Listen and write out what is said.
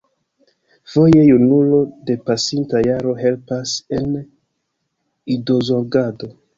Foje junulo de pasinta jaro helpas en idozorgado.